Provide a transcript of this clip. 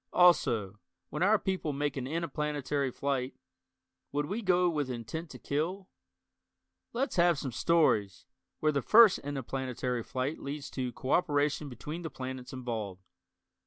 Also, when our people make an interplanetary flight, would we go with intent to kill? Let's have some stories, where the first interplanetary flight leads to cooperation between the planets involved.